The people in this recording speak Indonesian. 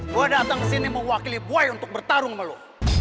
gue datang kesini mewakili boy untuk bertarung sama lo